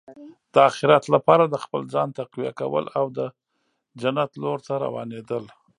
د اخرت لپاره د خپل ځان تقویه کول او د جنت لور ته روانېدل.